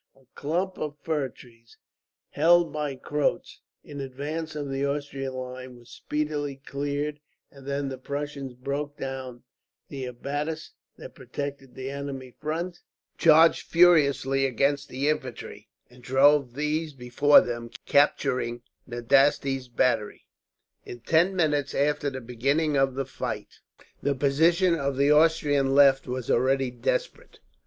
A clump of fir trees, held by Croats in advance of the Austrian line, was speedily cleared; and then the Prussians broke down the abattis that protected the enemy's front, charged furiously against the infantry, and drove these before them, capturing Nadasti's battery. In ten minutes after the beginning of the fight, the position of the Austrian left was already desperate.